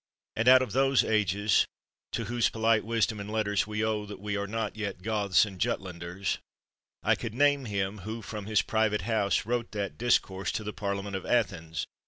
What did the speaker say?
And out of those ages, to whose polite wisdom and letters we owe that we are not yet Goths and Jutlanders, I could name him 1 who from his private house wrote that discourse to 1 Isocrat.es.